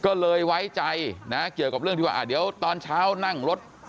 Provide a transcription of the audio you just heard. ก็เลยไว้ใจนะเกี่ยวกับเรื่องที่ว่าเดี๋ยวตอนเช้านั่งรถ